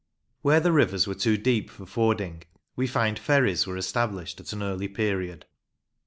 Where the rivers were too deep for fording, we find ferries were established at an early period.